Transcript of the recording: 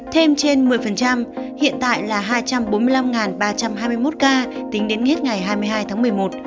thêm trên một mươi hiện tại là hai trăm bốn mươi năm ba trăm hai mươi một ca tính đến hết ngày hai mươi hai tháng một mươi một